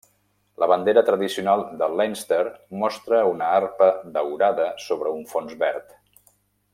La bandera tradicional de Leinster mostra una arpa daurada sobre un fons verd.